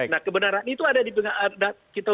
nah kebenaran itu ada di kita